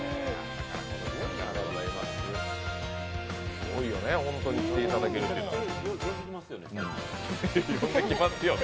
すごいよね、本当に来ていただけるというのは。